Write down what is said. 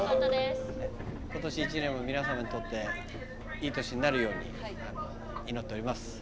今年１年も皆さまにとっていい年になるように祈っております。